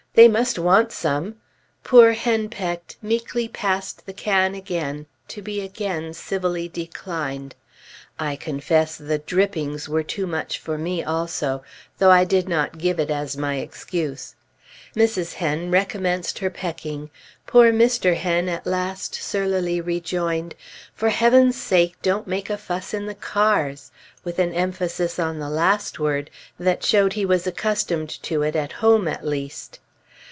they must want some! Poor Henpecked meekly passed the can again, to be again civilly declined. I confess the "drippings" were too much for me also, though I did not give it as my excuse. Mrs. Hen recommenced her pecking; poor Mr. Hen at last surlily rejoined, "For Heaven's sake, don't make a fuss in the cars," with an emphasis on the last word that showed he was accustomed to it at home, at least.